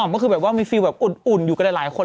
ก็คือแบบว่ามีฟิลแบบอุ่นอยู่กันหลายคน